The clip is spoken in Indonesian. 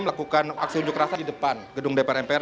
melakukan aksi unjuk rasa di depan gedung dpr mpr